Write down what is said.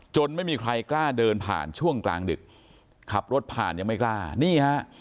ไม่มีใครกล้าเดินผ่านช่วงกลางดึกขับรถผ่านยังไม่กล้านี่ฮะ